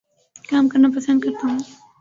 کام کرنا پسند کرتا ہوں